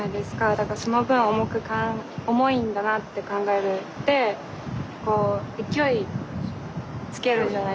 だからその分重いんだなって考えてこう勢いつけるじゃないですか持ち上げるのに。